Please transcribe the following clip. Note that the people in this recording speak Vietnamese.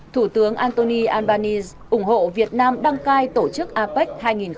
thủ tướng anthony albanese ủng hộ việt nam đăng cai tổ chức apec hai nghìn hai mươi bảy